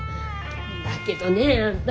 だけどねえあんた